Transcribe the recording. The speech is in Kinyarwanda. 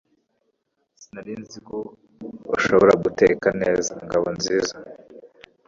Sinari nzi ko ushobora guteka neza Ngabonziza